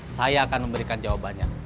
saya akan memberikan jawabannya